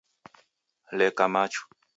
Leka machu.